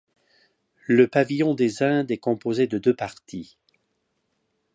Le pavillon des Indes est composé de deux parties.